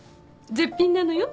絶品なのよ。